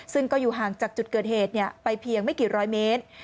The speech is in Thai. ซึ่งก็อยู่ห่างจากจุดเกิดเหตุไปเพียงไม่กี่ร้อยเมตร